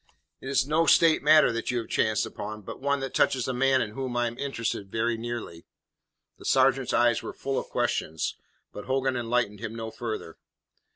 It is no State matter that you have chanced upon, but one that touches a man in whom I am interested very nearly." The sergeant's eyes were full of questions, but Hogan enlightened him no further.